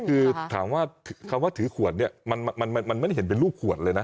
คือถามว่าคำว่าถือขวดเนี่ยมันไม่ได้เห็นเป็นรูปขวดเลยนะ